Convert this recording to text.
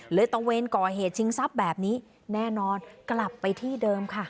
ตะเวนก่อเหตุชิงทรัพย์แบบนี้แน่นอนกลับไปที่เดิมค่ะ